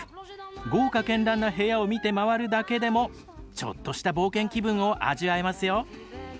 豪華絢爛な部屋を見て回るだけでもちょっとした冒険気分を味わえますよ。